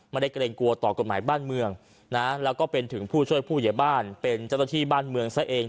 เกรงกลัวต่อกฎหมายบ้านเมืองนะแล้วก็เป็นถึงผู้ช่วยผู้ใหญ่บ้านเป็นเจ้าหน้าที่บ้านเมืองซะเอง